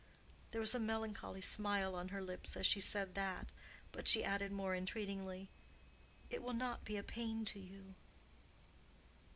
There was a melancholy smile on her lips as she said that, but she added more entreatingly, "It will not be a pain to you?"